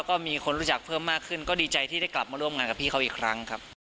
ก็มีคนรู้จักเพิ่มมากขึ้นก็ดีใจที่ได้กลับมาร่วมงานกับพี่เขาอีกครั้งครับ